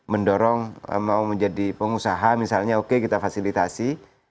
mendorong mau menjadi pengusaha misalnya oke kita fasilitasi